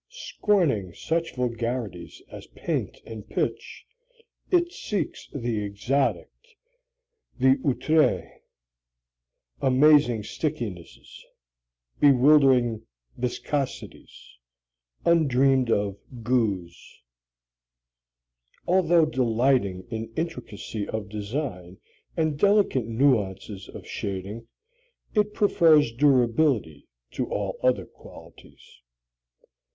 Scorning such vulgarities as paint and pitch, it seeks the exotic, the outré amazing stickinesses, bewildering viscosities, undreamed of goos. Although delighting in intricacy of design and delicate nuances of shading, it prefers durability to all other qualities.